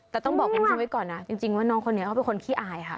แต่ต้องบอกคุณผู้ชมไว้ก่อนนะจริงว่าน้องคนนี้เขาเป็นคนขี้อายค่ะ